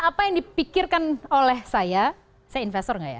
apa yang dipikirkan oleh saya saya investor nggak ya